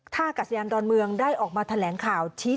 ถ้ากัสยาลดอลเมืองได้ออกมาแถวงข่าว